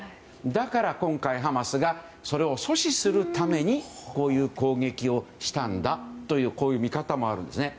だから今回ハマスがそれを阻止するためにこういう攻撃をしたんだという見方もあるんですね。